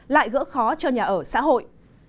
lại gỡ khó cho nhà ở xã hội